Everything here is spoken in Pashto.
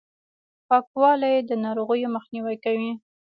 پاکوالي، د ناروغیو مخنیوی کوي.